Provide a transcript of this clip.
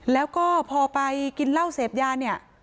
แล้วก็พอไปกินเหล้าเสพยาเนี่ย